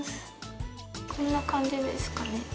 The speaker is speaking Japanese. こんな感じですかね。